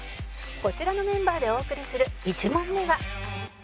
こちらのメンバーでお送りする１問目は